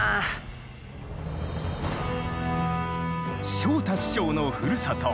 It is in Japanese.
昇太師匠のふるさと